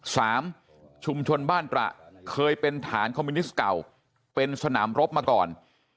สามชุมชนบ้านตระเคยเป็นฐานคอมมิวนิสต์เก่าเป็นสนามรบมาก่อน